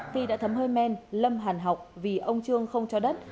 phi đã thấm hơi men lâm hàn học vì ông trương không cho đất